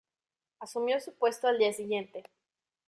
Asumió su puesto al día siguiente.